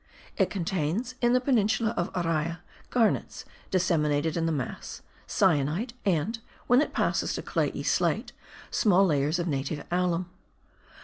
It contains, in the peninsula of Araya, garnets disseminated in the mass, cyanite and, when it passes to clayey slate, small layers of native alum.